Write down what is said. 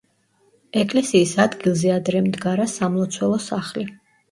ეკლესიის ადგილზე ადრე მდგარა სამლოცველო სახლი.